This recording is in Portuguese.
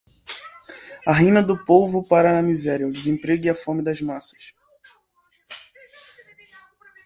a ruína do povo, para a miséria, o desemprego e a fome das massas